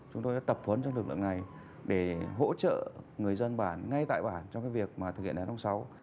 chúng tôi đã tập huấn trong lực lượng này để hỗ trợ người dân bản ngay tại bản trong cái việc mà thực hiện đến hôm sáu